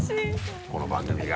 この番組が。